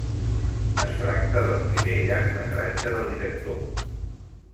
Es tracta del primer llargmetratge del director.